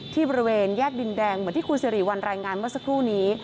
บริเวณแยกดินแดงเหมือนที่คุณสิริวัลรายงานเมื่อสักครู่นี้